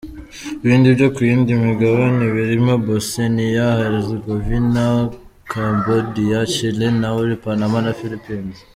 Ibindi byo ku yindi migabane birimo Bosnia, Herzegovina, Cambodia, Chile, Nauru, Panama na Philippines.